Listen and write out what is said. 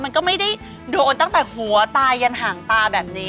มันก็ไม่ได้โดนตั้งแต่หัวตายยันห่างตาแบบนี้